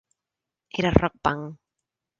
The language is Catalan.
Era rock punk.